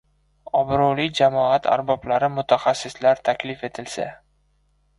obro‘li jamoat arboblari, mutaxassislar taklif etilsa.